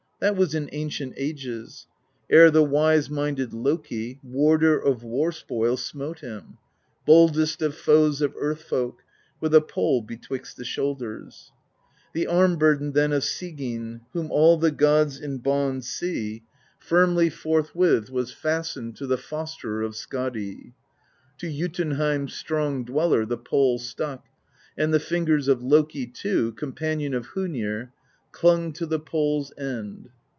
That was in ancient ages, — Ere the wise minded Loki, Warder of war spoil, smote him, Boldest of foes of Earth Folk, With a pole betwixt the shoulders. The Arm Burden then of Sigyn, Whom all the gods in bonds see. 132 PROSE EDDA Firmly forthwith was fastened To the Fosterer of Skadi; To Jotunheim's Strong Dweller The pole stuck, and the fingers Of Loki too, companion Of Hcenir, clung to the pole's end.